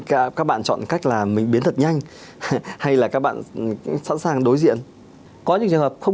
các bạn chọn cách làm mình biến thật nhanh hay là các bạn cũng sẵn sàng đối diện có những trường hợp